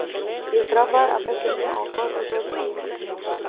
Il travaille avec lui encore aujourd’hui.